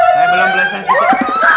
saya belum belas akit